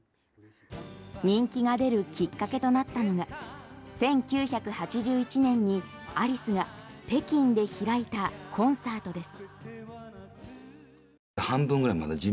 人気が出るきっかけとなったのが１９８１年にアリスが北京で開いたコンサートです。